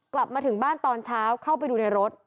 กลับมาถึงบ้านตอนเช้าเข้าไปดูในรถ